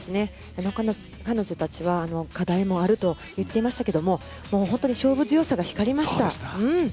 彼女たちは課題もあると言っていましたけど本当に勝負強さが光りました。